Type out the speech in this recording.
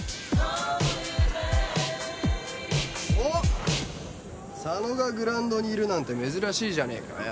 ・おっ佐野がグラウンドにいるなんて珍しいじゃねえかよ。